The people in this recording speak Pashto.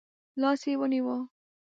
لاس يې ونیو.